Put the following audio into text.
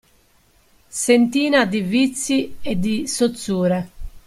Sentina di vizi e di sozzure.